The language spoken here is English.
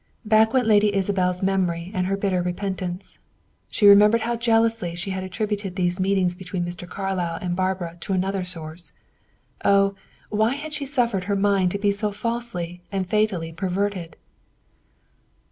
Back went Lady Isabel's memory and her bitter repentance. She remembered how jealously she had attributed these meetings between Mr. Carlyle and Barbara to another source. Oh! Why had she suffered her mind to be so falsely and fatally perverted?